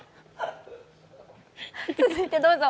続いてどうぞ。